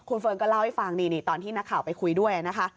เฟิร์นก็เล่าให้ฟังนี่ตอนที่นักข่าวไปคุยด้วยนะคะ